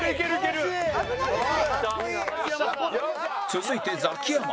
続いてザキヤマ